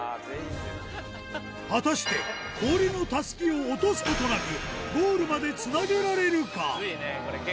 果たして氷のタスキを落とすことなく、ゴールまでつなげられるか。